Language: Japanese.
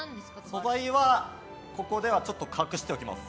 素材はここでは隠しておきます。